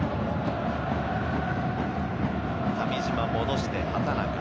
上島、戻して畠中。